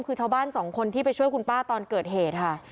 คือชาวบ้านสองคนที่ไปช่วยคุณป้าตอนเกิดเหตุค่ะ